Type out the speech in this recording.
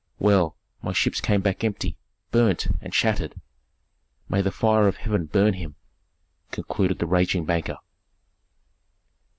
Well, my ships came back empty, burnt, and shattered. May the fire of heaven burn him!" concluded the raging banker.